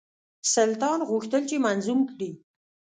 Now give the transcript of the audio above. سلطان غوښتل چې منظوم کړي.